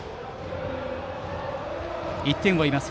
１点を追います